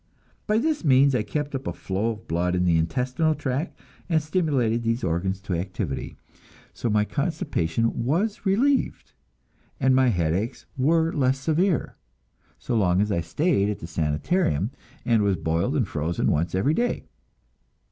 By this means I kept up a flow of blood in the intestinal tract, and stimulated these organs to activity; so my constipation was relieved, and my headaches were less severe so long as I stayed at the Sanitarium, and was boiled and frozen once every day.